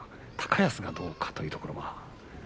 高安はどうかというところ。